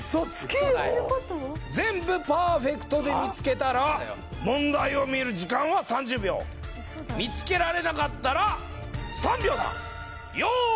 どういうこと全部パーフェクトで見つけたら問題を見る時間は３０秒見つけられなかったら３秒だ！